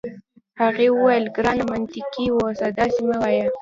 هغې وویل: ګرانه منطقي اوسه، داسي مه وایه.